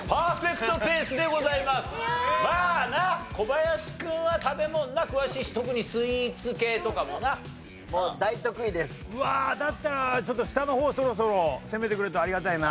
まあな小林君は食べ物詳しいし特にスイーツ系とかもな。うわだったらちょっと下の方そろそろ攻めてくれるとありがたいな。